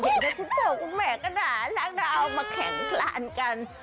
คุณพ่อคุณแม่ก็น่ารักนะเอามาแข็งคลานกัน